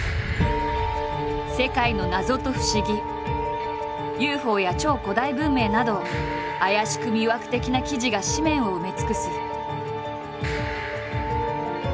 世界の謎と不思議ＵＦＯや超古代文明など怪しく魅惑的な記事が誌面を埋め尽くす。